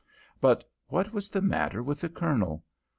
But what was the matter with the Colonel?